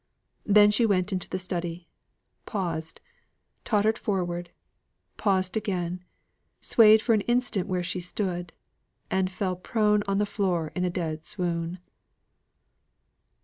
Then she went into the study, paused tottered forward paused again swayed for an instant where she stood, and fell prone on the floor in a dead swoon.